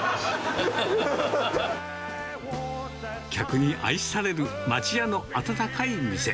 客に愛される町屋の温かい店。